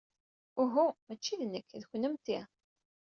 Uhu, maci d nekk, d kennemti!